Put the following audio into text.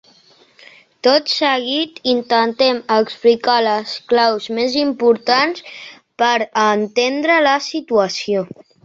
Tot seguit intentem explicar les claus més importants per a entendre la situació.